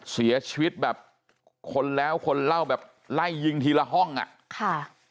เสียชีวิตแบบคนแล้วคนเล่าแบบไล่ยิงทีละห้องอ่ะค่ะ